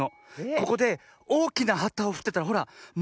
ここでおおきなはたをふってたらほらもろ